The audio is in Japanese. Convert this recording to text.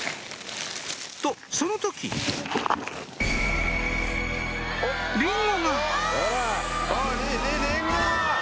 とその時リンゴが！